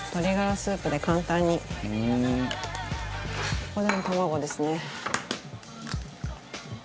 ここでも卵ですね。